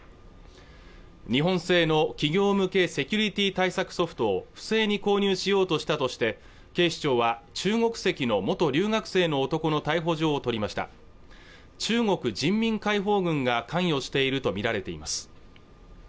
日本製の企業向けセキュリティ対策ソフトを不正に購入しようとしたとして警視庁は中国籍の元留学生の男の逮捕状を取りました中国人民解放軍が関与していると見られています